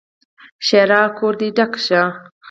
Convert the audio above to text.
ښېرا: کور دې ډاک شه!